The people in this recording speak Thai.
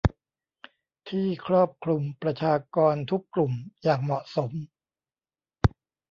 ที่ครอบคลุมประชากรทุกกลุ่มอย่างเหมาะสม